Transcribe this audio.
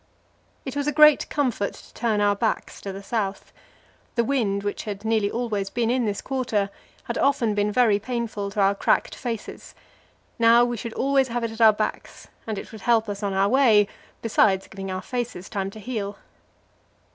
It was a great comfort to turn our backs to the south. The wind, which had nearly always been in this quarter, had often been very painful to our cracked faces; now we should always have it at our backs, and it would help us on our way, besides giving our faces time to heal.